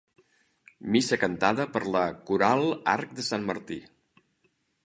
Missa cantada per la Coral Arc de Sant Martí.